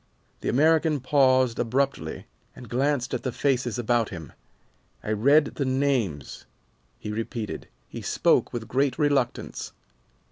The American paused abruptly, and glanced at the faces about him. "I read the names," he repeated. He spoke with great reluctance.